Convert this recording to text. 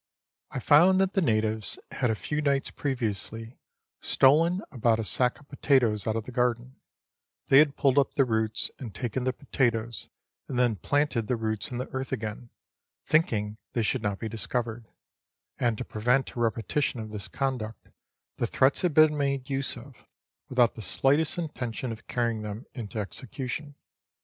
I found that the natives had a few nights previously stolen about a sack of potatoes out of the garden ; they had pulled up the roots and taken the potatoes, and then planted the roots in the earth again, thinking they should not be discovered ; and, to pre vent a repetition of this conduct, the threats had been made use of, without the slightest intention of carrying them into execution.